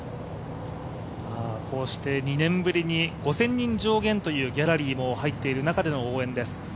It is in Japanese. ２年ぶりに、５０００人上限というギャラリーも入っている中での応援です。